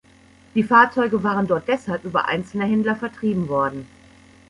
Die Fahrzeuge waren dort deshalb über einzelne Händler vertrieben worden.